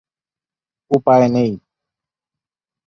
উপায় নেই।